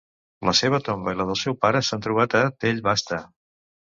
La seva tomba i la del seu pare s'han trobat a Tell Basta.